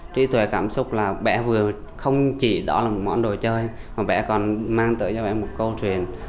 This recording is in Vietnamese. trí tuệ cảm xúc là bé vừa không chỉ đó là một món đồ chơi mà bé còn mang tới cho bé một câu truyền